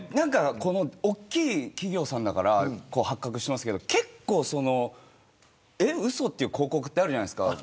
大きい企業さんだから発覚しますけど結構、え、うそという広告あるじゃないですか。